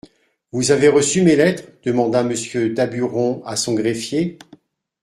Vous avez reçu mes lettres ? demanda Monsieur Daburon à son greffier.